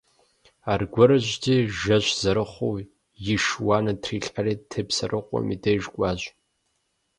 Аргуэрыжьти, жэщ зэрыхъуу иш уанэ трилъхьэри Тепсэрыкъуэм и деж кӀуащ.